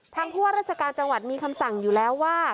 ผู้ว่าราชการจังหวัดมีคำสั่งอยู่แล้วว่า